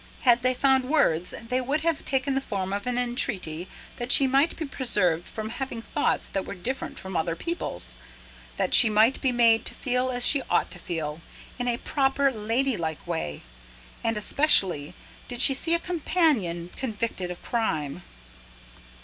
Had they found words, they would have taken the form of an entreaty that she might be preserved from having thoughts that were different from other people's; that she might be made to feel as she ought to feel, in a proper, ladylike way and especially did she see a companion convicted of crime.